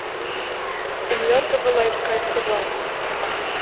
O melhor cavaleiro cai do cavalo.